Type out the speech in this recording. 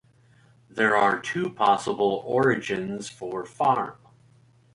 There are two possible origins for "farm".